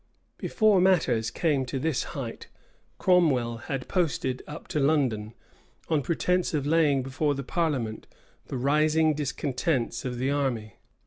[] Before matters came to this height, Cromwell had posted up to London, on pretence of laying before the parliament the rising discontents of the army.